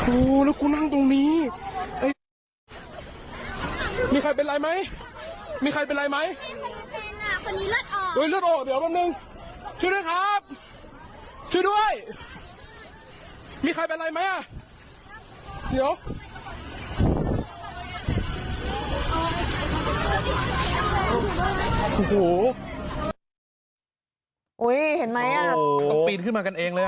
อุ้ยเห็นไหมอู๋อุ้ยเอาปีนขึ้นมากันเองเลย